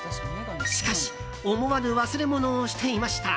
しかし思わぬ忘れ物をしていました。